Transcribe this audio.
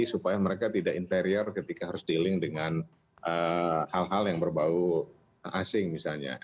supaya mereka tidak interior ketika harus dealing dengan hal hal yang berbau asing misalnya